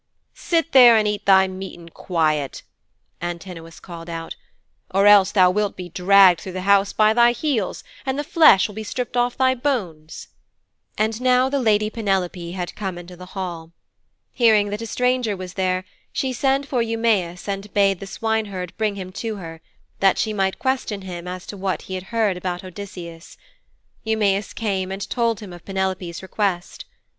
'Sit there and eat thy meat in quiet,' Antinous called out, 'or else thou wilt be dragged through the house by thy heels, and the flesh will be stripped off thy bones,' And now the lady Penelope had come into the hall. Hearing that a stranger was there, she sent for Eumæus and bade the swineherd bring him to her, that she might question him as to what he had heard about Odysseus. Eumæus came and told him of Penelope's request.